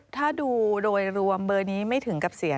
ถ้าดูโดยรวมเบอร์นี้ไม่ถึงกับเสีย